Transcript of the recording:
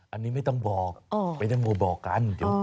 อันนี้ไม่ต้องบอกไม่ต้องมาบอกกัน